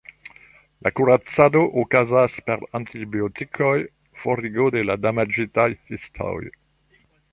La kuracado okazas per antibiotikoj, forigo de la damaĝitaj histoj.